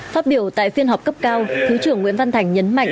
phát biểu tại phiên họp cấp cao thứ trưởng nguyễn văn thành nhấn mạnh